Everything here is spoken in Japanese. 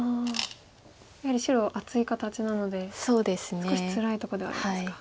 やはり白厚い形なので少しつらいところではありますか。